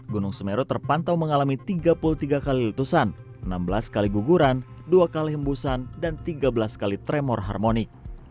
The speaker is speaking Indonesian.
gunung semeru terpantau mengalami tiga puluh tiga kali letusan enam belas kali guguran dua kali hembusan dan tiga belas kali tremor harmoni